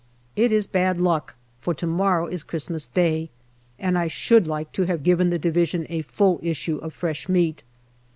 It is bad luck, for to morrow is Christmas Day, and I should like to have given the Division a full issue of fresh meat.